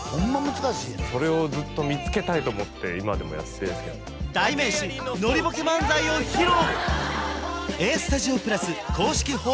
難しいやんそれをずっと見つけたいと思って今でもやってるんですけど代名詞ノリボケ漫才を披露！